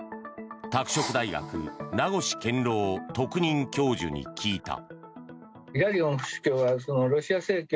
拓殖大学名越健郎特任教授に聞いた。